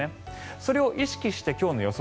それを意識して今日の予想